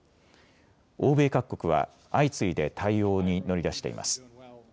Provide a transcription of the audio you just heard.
欧米各国は相次いで対応に乗り出しています。